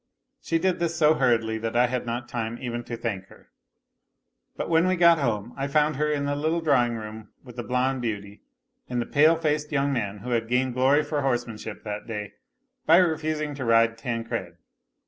She did this so hurriedly that I had nob time even to thank her. But when we got home I found her in the little drawing room with the blonde beauty and the pale faced young man who had gained glory for horsemanship that day by refusing to ride Tancred.